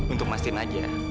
untuk masticin aja